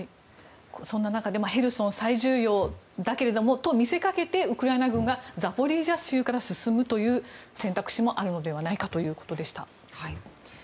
そんな中でヘルソン、大重要だけれどもと見せかけてウクライナ軍はザポリージャ州から進むという選択肢もあるのではないかということでした。